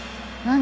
何？